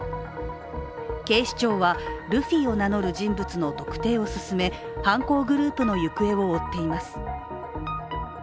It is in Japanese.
警視庁はルフィを名乗る人物の特定を進め犯行グループの行方を追っています。